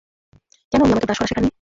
কেন উনি আমাকে ব্রাশ করা শিখাননি?